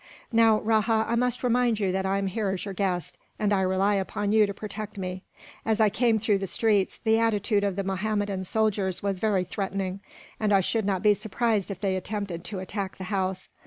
"Now, Rajah, I must remind you that I am here as your guest, and I rely upon you to protect me. As I came through the streets, the attitude of the Mahommedan soldiers was very threatening; and I should not be surprised if they attempted to attack the house.